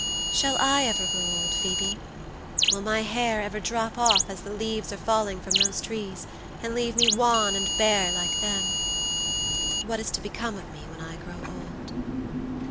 Shall I ever grow old, Phoebe? Will my hair ever drop off as the leaves are falling from those trees, and leave me wan and bare like them? What is to become of me when I grow old?"